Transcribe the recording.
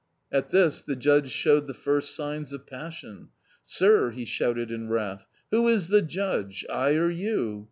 At this the Judge showed the first signs of passion. "Sir," he shouted in wrath, "who is the Judge, I or you?